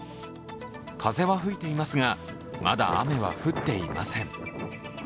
風は吹いていますが、まだ雨は降っていません。